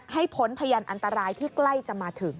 พ้นพยานอันตรายที่ใกล้จะมาถึง